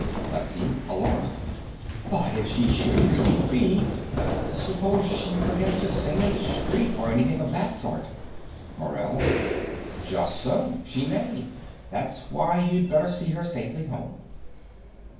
LEXY (alarmed). But if she should really be Suppose she began to sing in the street, or anything of that sort. MORELL. Just so: she may. That's why you'd better see her safely home.